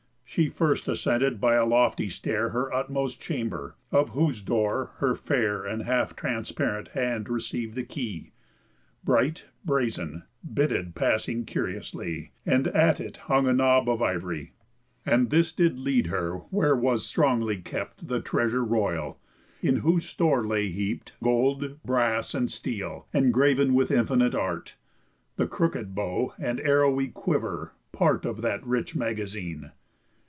She first ascended by a lofty stair Her utmost chamber; of whose door her fair And half transparent hand receiv'd the key, Bright, brazen, bitted passing curiously, And at it hung a knob of ivory. And this did lead her where was strongly kept The treasure royal; in whose store lay heapt Gold, brass, and steel, engrav'n with infinite art; The crooked bow, and arrowy quiver, part Of that rich magazine.